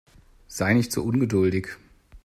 Sei nicht so ungeduldig.